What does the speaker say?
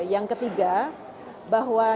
yang ketiga bahwa